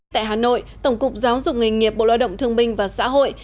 tại hà nội tổng cục giáo dục nghề nghiệp bộ lo động thương minh và xã hội